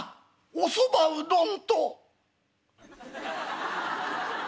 おそばうどん